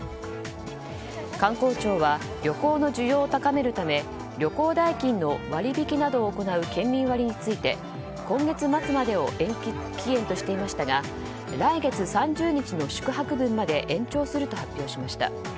観光庁は旅行の需要を高めるため旅行代金の割り引きなどを行う県民割について、今月末までを期限としていましたが来月３０日の宿泊分まで延長すると発表しました。